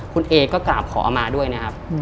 คุณเอก็กราบขอมาด้วยนะครับ